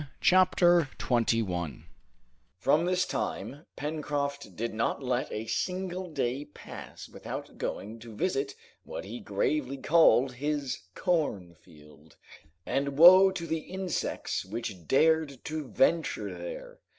Chapter 21 From this time Pencroft did not let a single day pass without going to visit what he gravely called his "corn field." And woe to the insects which dared to venture there!